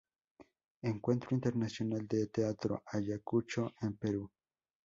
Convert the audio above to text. Encuentro Internacional de teatro Ayacucho, en Perú.